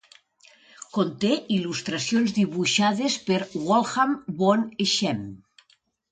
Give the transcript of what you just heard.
Conté il·lustracions dibuixades per WolfGang vom Schemm.